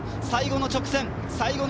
最後の直線。